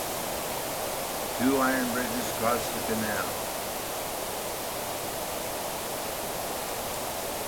Two iron bridges cross the canal.